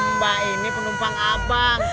mbak ini penumpang abang